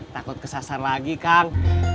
takut kesasar lagi kang